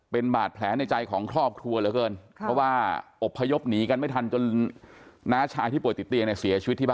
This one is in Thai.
เป็นบาดแผลในใจของครอบครัวเลยเเ